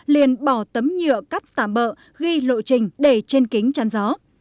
liền bỏ tấm nhựa cắt tảm bỡ ghi lộ trình để trên kính trăn gió